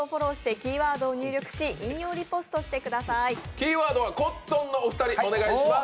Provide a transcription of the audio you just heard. キーワードはコットンのお二人、お願いします。